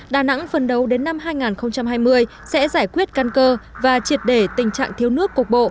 đà nẵng phân đấu đến năm hai nghìn hai mươi sẽ giải quyết căn cơ và triệt để tình trạng thiếu nước cục bộ